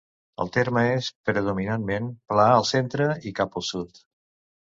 El terme és predominantment pla al centre i cap al sud.